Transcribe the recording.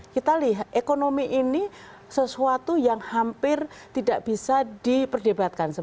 kita lihat ekonomi ini sesuatu yang hampir tidak bisa diperdebatkan